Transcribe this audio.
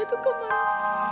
itu kan marah